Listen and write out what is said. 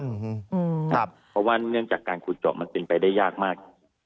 เพราะว่าเนื่องจากการขุดเจาะมันเป็นไปได้ยากมาก